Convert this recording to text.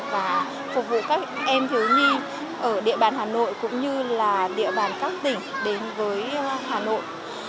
và phục vụ các em thiếu nhi ở địa bàn hà nội cũng như là địa bàn các tỉnh đến với hà nội